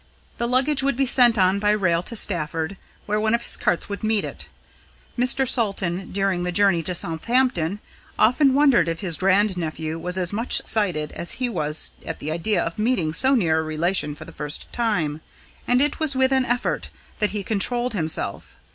The luggage would be sent on by rail to Stafford, where one of his carts would meet it. Mr. Salton, during the journey to Southampton, often wondered if his grand nephew was as much excited as he was at the idea of meeting so near a relation for the first time; and it was with an effort that he controlled himself.